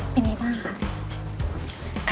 เป็นไงบ้างคะ